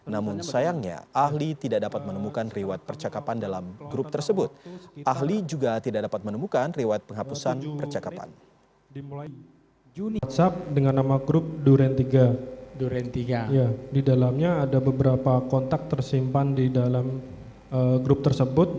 namun sayangnya ahli tidak dapat menemukan riwat percakapan dalam grup tersebut